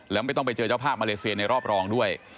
แล้วไม่ต้องไปเจอเจ้าภาพมาเลเซียในรอบรองด้วย